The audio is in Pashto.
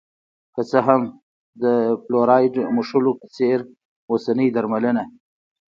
که څه هم د فلورایډ موښلو په څېر اوسنۍ درملنه